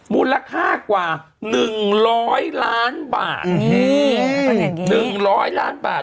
มูลค่ากว่า๑๐๐ล้านบาทนี่๑๐๐ล้านบาท